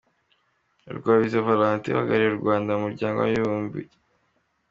Rugwabiza Valentine, uhagarariye u Rwanda mu Muryango w’Abibumbye.